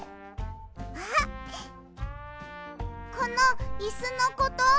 あっこのイスのこと？